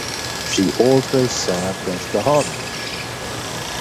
She also served as the Hon.